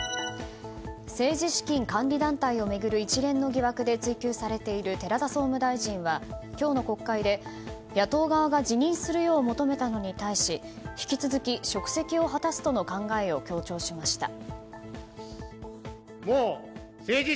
政治資金管理団体を巡る一連の疑惑で追及されている寺田総務大臣は今日の国会で野党側が辞任するよう求めたのに対し引き続き、職責を果たすとの考えを強調しました。